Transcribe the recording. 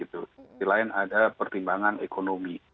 satu sisi lain ada pertimbangan ekonomi